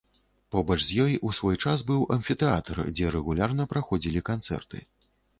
Побач з ёй у свой час быў амфітэатр, дзе рэгулярна праходзілі канцэрты.